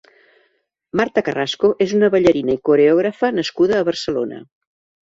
Marta Carrasco és una ballarina i coreògrafa nascuda a Barcelona.